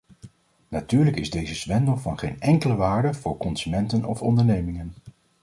Natuurlijk is deze zwendel van geen enkele waarde voor consumenten of ondernemingen.